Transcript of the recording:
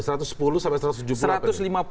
satu ratus sepuluh sampai satu ratus tujuh puluh